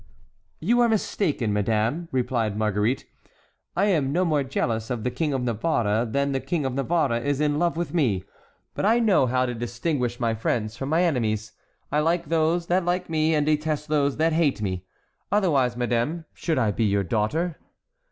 "You are mistaken, madame," replied Marguerite; "I am no more jealous of the King of Navarre than the King of Navarre is in love with me, but I know how to distinguish my friends from my enemies. I like those that like me, and detest those that hate me. Otherwise, madame, should I be your daughter?"